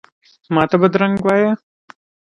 ماته بدرنګه وایې،